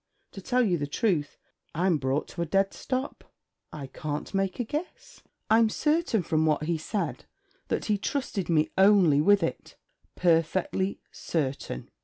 To tell you the truth, I'm brought to a dead stop. I can't make a guess. I'm certain, from what he said, that he trusted me only with it: perfectly certain.